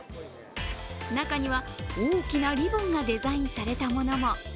中には、大きなリボンがデザインされたものも。